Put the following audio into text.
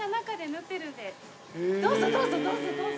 どうぞどうぞどうぞどうぞ。